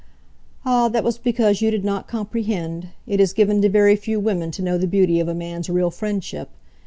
"Ah, that was because you did not comprehend. It is given to very few women to know the beauty of a man's real friendship.